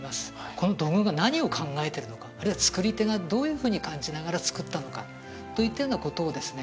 この土偶が何を考えてるのかあるいは作り手がどういうふうに感じながら作ったのかといったようなことをですね